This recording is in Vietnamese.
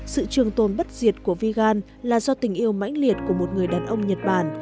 sự trường tồn bất diệt của vigan là do tình yêu mãnh liệt của một người đàn ông nhật bản